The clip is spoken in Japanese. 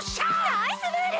ナイスムール！